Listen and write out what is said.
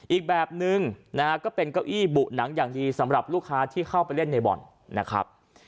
อีกแบบนึงนะฮะก็เป็นเก้าอี้บุหนังอย่างดีสำหรับลูกค้าที่เข้าไปเล่นในบ่อนนะครับ